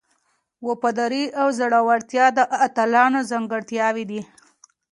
وفاداري او زړورتیا د اتلانو ځانګړتیاوې دي.